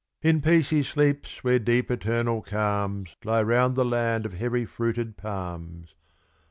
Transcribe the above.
In peace he sleeps where deep eternal calms Lie round the land of heavy fruited palms.